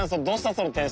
どうしたの？